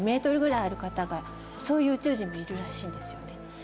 ぐらいある方がそういう宇宙人もいるらしいんですよね。